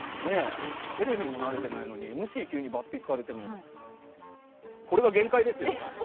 テレビも慣れてないのにＭＣに抜てきされてもこれが限界ですよ。